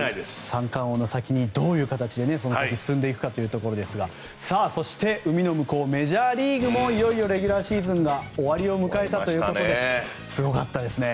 三冠王の先にどういう形で進んでいくかというところですがそして、海の向こうメジャーリーグもいよいよレギュラーシーズンが終わりを迎えたということですごかったですね。